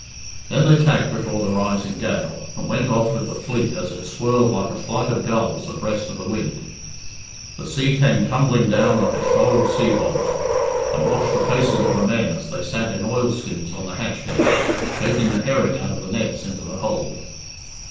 Then they tacked before the rising gale, and went off with the fleet as it swirled like a flight of gulls abreast of the wind. The sea came tumbling down like a shoal of seahogs, and washed the faces of the men as they sat in oilskins on the hatch head, shaking the herring out of the nets into the hold.